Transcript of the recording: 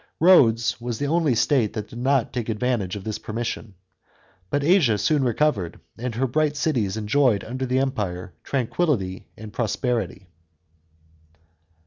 Rhodes was the only state that did not take advantage of this permission. But Asia soon recovered, and her bright cities enjoyed under the Empire tranquillity and prosperity.